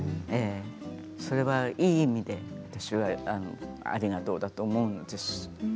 それはいい意味で私はありがとうだと思うんです。